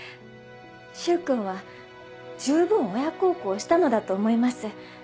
柊君は十分親孝行をしたのだと思います。